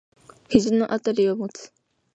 肘のあたりを持つ。